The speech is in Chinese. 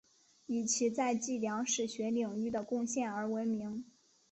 以其在计量史学领域的贡献而闻名。